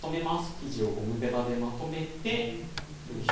生地をゴムべらでまとめてよいしょ。